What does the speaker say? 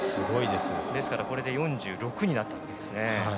ですから、これで４６になったわけですね。